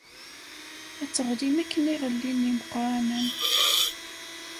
Ad teɣlim akken i ɣellin imeqqranen.